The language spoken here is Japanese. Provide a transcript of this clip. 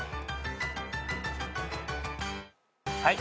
はい。